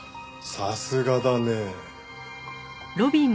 さすがだね。